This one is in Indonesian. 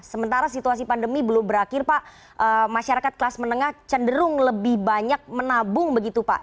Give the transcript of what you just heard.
sementara situasi pandemi belum berakhir pak masyarakat kelas menengah cenderung lebih banyak menabung begitu pak